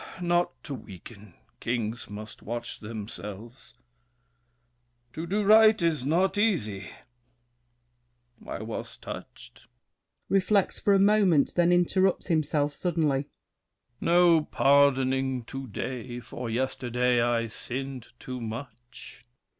Ah, not to weaken, kings must watch themselves! To do right is not easy. I was touched. [Reflects for a moment, then interrupts himself suddenly. No pardoning to day, for yesterday I sinned too much!